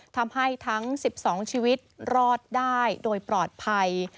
ทำให้ทั้ง๑๒ชีวิตรอดได้โดยปลอดภัย